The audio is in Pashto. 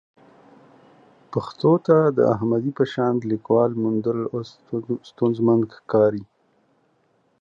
پښتو ته د احمدي په شان لیکوال موندل اوس ستونزمن ښکاري.